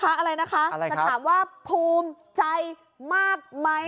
อะไรนะคะจะถามว่าภูมิใจมากไหม